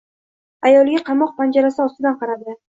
Ayoliga qamoq panjarasi ortidan qaradi.